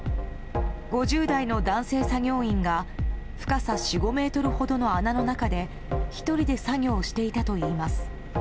５０代の男性作業員が深さ４５ｍほどの穴の中で１人で作業していたといいます。